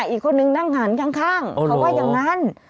อีกคนนึงนั่งหันข้างเขาว่าอย่างนั้น